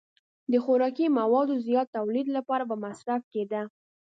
د خوراکي موادو زیات تولید لپاره به مصرف کېده.